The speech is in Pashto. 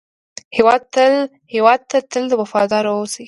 هېواد ته تل وفاداره اوسئ